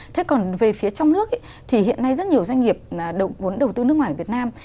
thế còn về phía trong nước thì hiện nay rất nhiều doanh nghiệp vốn đầu tư nước ngoài việt nam